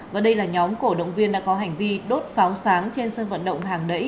và đây là nhóm cổ động viên đã có hành vi đốt pháo sáng trên sân vận động hàng đẩy